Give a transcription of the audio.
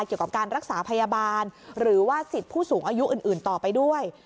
เกี่ยวกับการรักษาพยาบาลหรือว่าสิทธิ์ผู้สูงอายุอื่นต่อไปด้วย